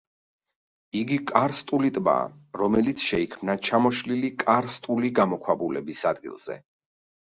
იგი კარსტული ტბაა, რომელიც შეიქმნა ჩამოშლილი კარსტული გამოქვაბულების ადგილზე.